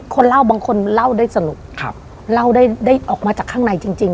คนเล่าบางคนเล่าได้สนุกเล่าได้ได้ออกมาจากข้างในจริง